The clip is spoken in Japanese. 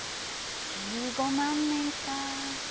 １５万年か。